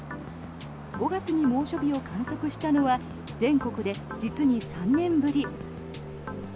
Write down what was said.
５月に猛暑日を観測したのは全国で実に３年ぶり。